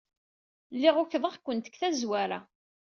Lliɣ ukḍeɣ-kent deg tazwara.